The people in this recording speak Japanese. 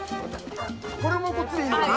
これもこっちでいいのかな？